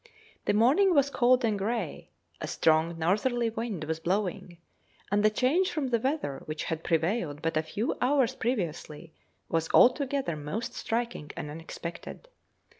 The morning was cold and grey, a strong northerly wind was blowing, and the change from the weather which had prevailed but a few hours previously was altogether most striking and unexpected.